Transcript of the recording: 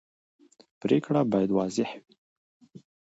پرېکړې باید واضح وي